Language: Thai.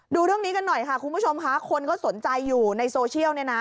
ดูเรื่องนี้กันหน่อยค่ะคุณผู้ชมค่ะคนก็สนใจอยู่ในโซเชียลเนี่ยนะ